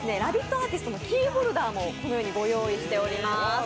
アーティストのキーホルダーもご用意しております。